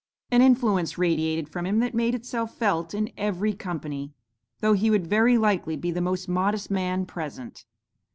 An influence radiated from him that made itself felt in every company, though he would very likely be the most modest man present.